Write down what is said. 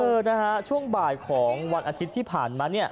เออนะฮะช่วงบ่ายของวันอาทิตย์ที่ผ่านมาเนี่ย